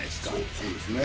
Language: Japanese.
そうですね。